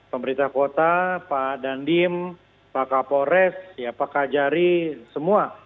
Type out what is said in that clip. pemerintah kota pak dandim pak kapolres pak kajari semua